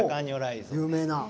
有名な。